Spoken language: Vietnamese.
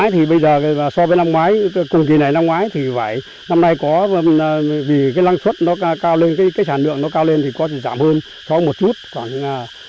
thì cái năng suất nó cao lên cái sản lượng nó cao lên thì có thể giảm hơn có một chút khoảng năm một mươi